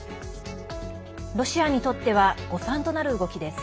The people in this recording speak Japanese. ロシアにとっては誤算となる動きです。